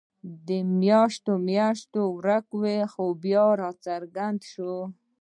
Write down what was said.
په میاشتو میاشتو ورک وو او بیا راڅرګند شو.